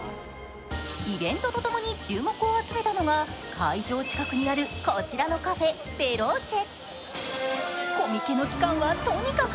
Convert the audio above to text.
イベントとともに注目を集めたのが会場近くにあるこちらのカフェベローチェ。